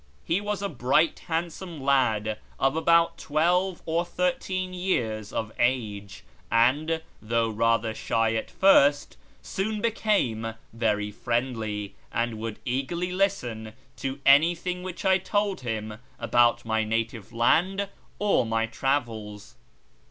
He was a bright handsome lad of about twelve or thirteen years of age, and, though rather shy at first, soon became very friendly, and would eagerly listen to anything which I told him about my native land or my travels.